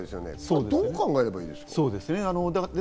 どう考えればいいでしょう？